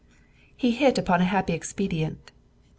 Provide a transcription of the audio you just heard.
He hit upon a happy expedient.